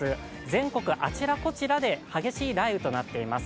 全国、あちらこちらで激しい雷雨となっています。